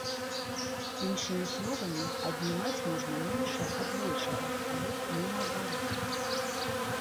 Іншымі словамі, аднімаць можна меншае ад большага, але не наадварот.